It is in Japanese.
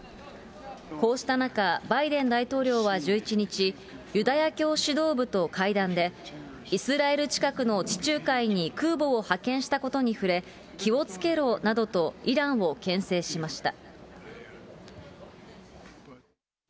こうした中、バイデン大統領は１１日、ユダヤ教指導部と会談で、イスラエル近くの地中海に空母を派遣したことに触れ、気をつけろなどとイランをけん制しました。